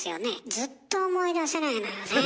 ずっと思い出せないのよね。